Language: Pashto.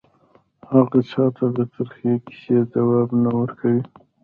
هغه چا ته د ترخې کیسې ځواب نه ورکوي